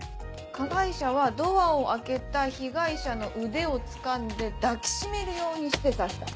加害者はドアを開けた被害者の腕をつかんで抱き締めるようにして刺した。